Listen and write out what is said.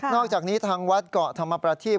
อกจากนี้ทางวัดเกาะธรรมประทีป